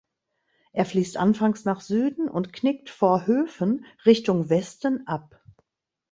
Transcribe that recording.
Er fließt anfangs nach Süden und knickt vor Höfen Richtung Westen ab.